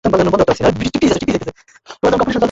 এগুলো কোনোটাই কাজের না।